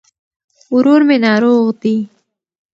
ورور مي ناروغ دي